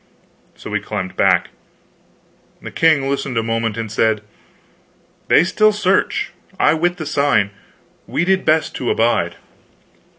So we climbed back. The king listened a moment and said: "They still search I wit the sign. We did best to abide."